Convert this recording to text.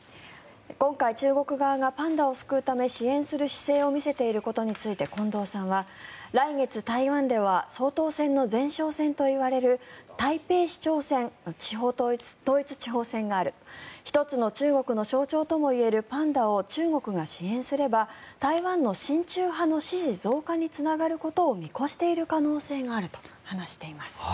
今回、中国側がパンダを救うため支援する姿勢を見せていることについて近藤さんは、来月、台湾では総統選の前哨戦といわれる台北市長選、統一地方選がある一つの中国の象徴ともいえるパンダを中国が支援すれば台湾の親中派の支持増加につながることを見越している可能性があると話しています。